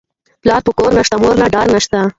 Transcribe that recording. ـ پلار په کور نشته، مور نه ډار نشته.